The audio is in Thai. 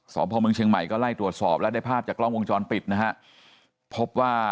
สอบพระเมืองเชียงใหม่ก็ไล่สอบแล้วได้ภาพจากกล้องวงชรปิดนะฮะ